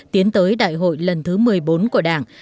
tiến tới đại hội lần thứ một mươi bốn của đảng